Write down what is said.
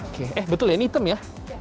oke eh betul ya ini hitam ya